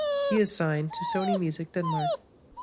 He is signed to Sony Music Denmark.